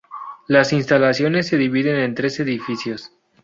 Las instalaciones se dividen en tres edificios.